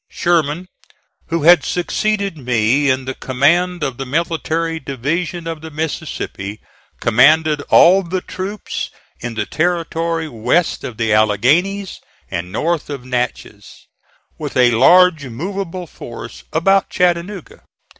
Sherman, who had succeeded me in the command of the military division of the Mississippi, commanded all the troops in the territory west of the Alleghanies and north of Natchez, with a large movable force about Chattanooga.